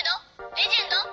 レジェンド！」。